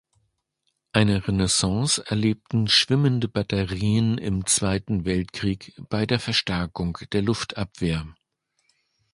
Eine Renaissance erlebten Schwimmende Batterien im Zweiten Weltkrieg bei der Verstärkung der Luftabwehr.